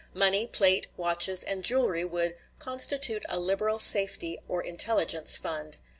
Money, plate, watches, and jewelry would "constitute a liberal safety or intelligence fund."